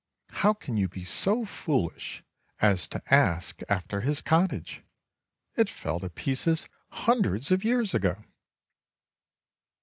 How can you be so foolish as to ask after his cottage? It fell to pieces hundreds of years ago."